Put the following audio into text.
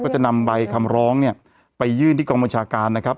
จะนำใบคำร้องเนี่ยไปยื่นที่กองบัญชาการนะครับ